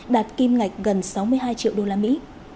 đạt kim ngạch gần sáu mươi hai triệu đô la mỹ